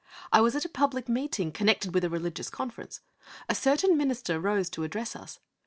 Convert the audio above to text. It was at a public meeting connected with a religious conference. A certain minister rose to address us.